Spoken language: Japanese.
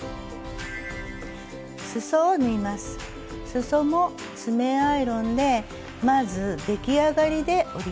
すそも爪アイロンでまず出来上がりで折ります。